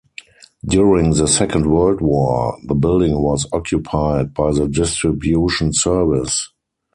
During the Second World War the building was occupied by the Distribution Service.